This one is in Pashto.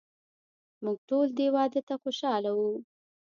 موږ ټول دې واده ته خوشحاله وو.